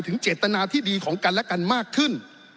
เจตนาที่ดีของกันและกันมากขึ้น